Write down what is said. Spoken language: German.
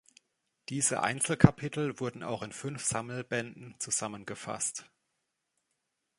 Diese Einzelkapitel wurden auch in fünf Sammelbänden zusammengefasst.